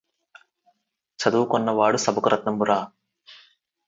చదువుకొన్న వాడు సభకు రత్నంబురా